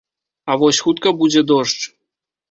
А вось хутка будзе дождж.